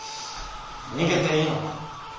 逃げていいの？